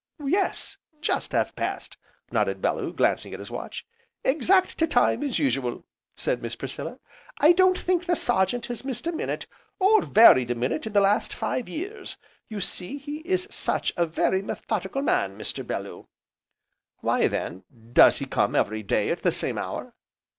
"Yes, just half past!" nodded Bellew, glancing at his watch. "Exact to time, as usual!" said Miss Priscilla, "I don't think the Sergeant has missed a minute, or varied a minute in the last five years, you see, he is such a very methodical man, Mr. Bellew!" "Why then, does he come every day, at the same hour?"